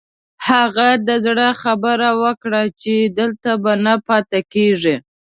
هغه د زړه خبره وکړه چې دلته به نه پاتې کېږي.